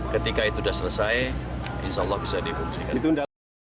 ketika itu sudah selesai insya allah bisa difungsikan